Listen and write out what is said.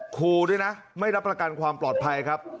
ครูด้วยนะไม่รับประกันความปลอดภัยครับ